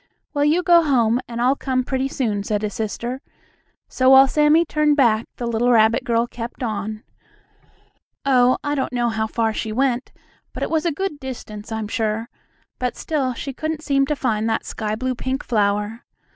"Well, you go home and I'll come pretty soon," said his sister, so while Sammie turned back, the little rabbit girl kept on. Oh, I don't know how far she went, but it was a good distance, I'm sure, but still she couldn't seem to find that sky blue pink flower.